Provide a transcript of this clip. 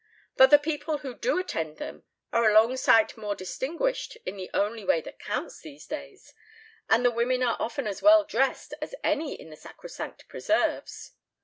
"But the people who do attend them are a long sight more distinguished in the only way that counts these days, and the women are often as well dressed as any in the sacrosanct preserves."